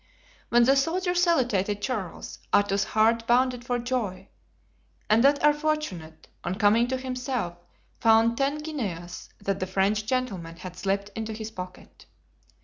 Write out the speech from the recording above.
When the soldier saluted Charles, Athos's heart bounded for joy; and that unfortunate, on coming to himself, found ten guineas that the French gentleman had slipped into his pocket.